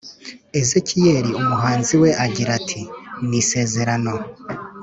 ezekiyeli umuhanuzi we agira ati:”ni isezerano